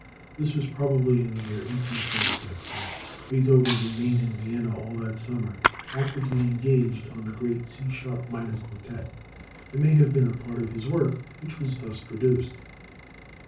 This was probably in the year 1826, as Beethoven remained in Vienna all that summer, actively engaged on the great C sharp minor quartet. It may have been a part of this work which was thus produced.